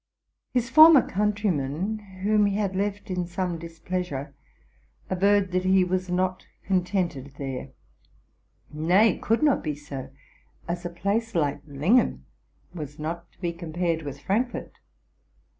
His former countrymen, whom he had left in some displeasure, averred that he was not con tented there, nay, could not be so, as a place like Lingen was not to be compared with Frankfort.